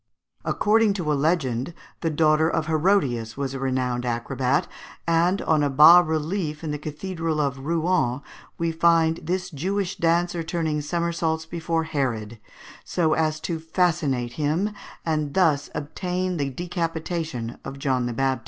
According to a legend, the daughter of Herodias was a renowned acrobat, and on a bas relief in the Cathedral of Rouen we find this Jewish dancer turning somersaults before Herod, so as to fascinate him, and thus obtain the decapitation of John the Baptist.